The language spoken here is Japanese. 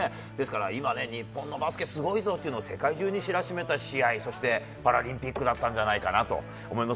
今日本のバスケすごいぞというのを世界中に知らしめた試合、パラリンピックだったんじゃないかなと思います。